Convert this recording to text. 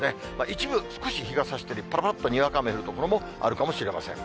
一部、少し日がさしたり、ぱらぱらっとにわか雨降る所もあるかもしれません。